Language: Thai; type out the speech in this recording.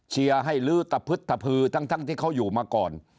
ให้ลื้อตะพึดตะพือทั้งที่เขาอยู่มาก่อน